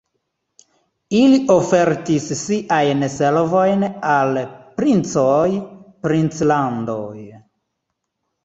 Ili ofertis siajn servojn al princoj, princlandoj.